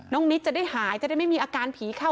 นิดจะได้หายจะได้ไม่มีอาการผีเข้า